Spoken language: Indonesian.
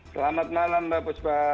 selamat malam mbak puspa